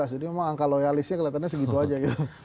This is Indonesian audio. jadi memang angka loyalisnya kelihatannya segitu aja gitu